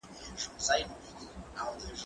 زه هره ورځ سبزیجات تياروم،